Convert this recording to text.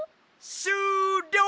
しゅうりょう！